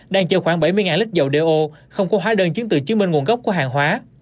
đang chở khoảng bảy mươi lít dầu đeo không có hóa đơn chứng từ chứng minh nguồn gốc của hàng hóa